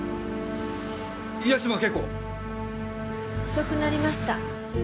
遅くなりました。